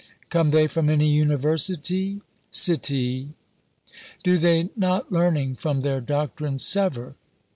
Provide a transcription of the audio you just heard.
_ Come they from any universitie? Citie! Do they not learning from their doctrine sever?